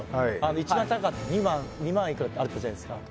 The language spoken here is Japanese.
一番高かった２万いくらってあったじゃないですか